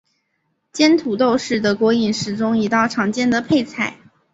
煎土豆是德国饮食中一道常见的配菜。